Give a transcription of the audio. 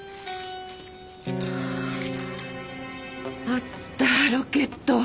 あったロケット。